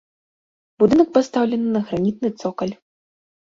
Будынак пастаўлены на гранітны цокаль.